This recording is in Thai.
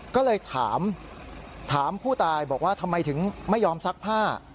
ก็เลยถามถามผู้ตายบอกว่าทำไมถึงไม่ยอมซักผ้า